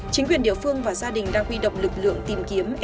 chính quyền địa phương và gia đình đang huy động lực lượng tìm kiếm